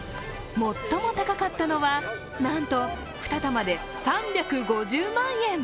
最も高かったのはなんと２玉で３５０万円。